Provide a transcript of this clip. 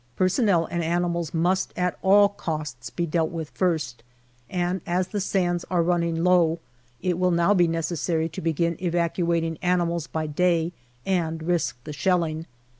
Personnel and animals must at all costs be dealt with first, and as the sands are running low, it will now be necessary to begin evacuating animals by day and risk the shelling.